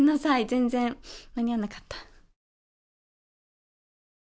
全然間に合わなかった。